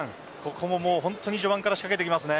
ここも序盤から仕掛けていきます。